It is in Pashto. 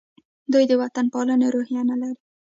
دوی د وطن پالنې روحیه نه لري.